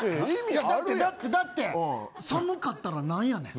だって、寒かったらなんやねん。